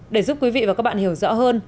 để giúp quý vị và các bạn hiểu rõ hơn